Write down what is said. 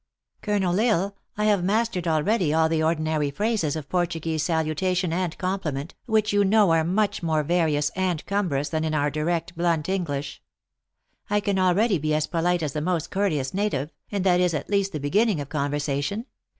Colonel L Isle, I have mastered al ready all the ordinary phrases of Portuguese saluta tion and compliment, which you know are much more various and cumbrous than in our direct, blunt English. I can already be as polite as the most courteous native, and that is, at least, the beginning of conversation.